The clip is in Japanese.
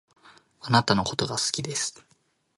あなたのことが好きです